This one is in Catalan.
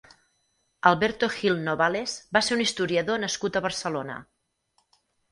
Alberto Gil Novales va ser un historiador nascut a Barcelona.